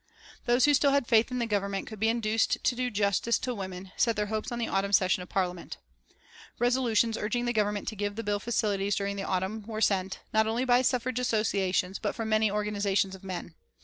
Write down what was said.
Those who still had faith that the Government could be induced to do justice to women set their hopes on the autumn session of Parliament. Resolutions urging the Government to give the bill facilities during the autumn were sent, not only by the suffrage associations but from many organisations of men.